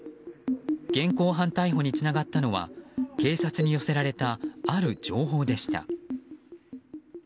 現行犯逮捕につながったのは警察に寄せられたある情報でした。